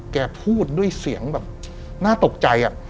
แกพูดด้วยเสียงแบบน่าตกใจ